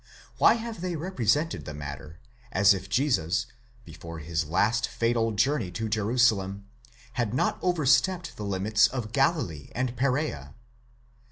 Why have they represented the matter, as if Jesus, before his last fatal journey to Jerusalem, had not over stepped the limits of Galilee and Perea?